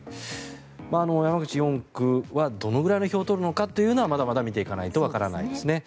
山口４区はどのぐらいの票かというのはまだまだ見ていかないとわからないですね。